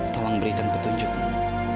tolong berikan petunjukmu